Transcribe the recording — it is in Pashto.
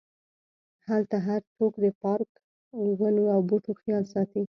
هلته هرڅوک د پارک، ونو او بوټو خیال ساتي.